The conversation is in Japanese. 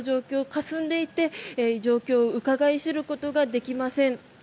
かすんでいて、状況をうかがい知ることができません。